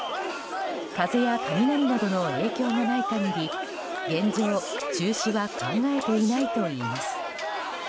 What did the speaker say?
風や雷などの影響がない限り現状、中止は考えていないといいます。